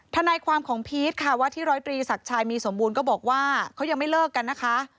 ทนายความของพีชค่ะว่าที่ร้อยตรีศักดิ์ชายมีสมบูรณ์ก็บอกว่าเขายังไม่เลิกกันนะคะ